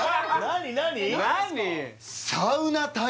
何？